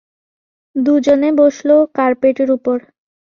দুজনে বসল কার্পেটের উপর।